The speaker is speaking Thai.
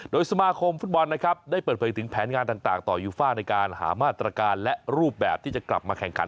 โดยสมาคมฟุตบอลนะครับได้เปิดเผยถึงแผนงานต่างต่อยูฟ่าในการหามาตรการและรูปแบบที่จะกลับมาแข่งขัน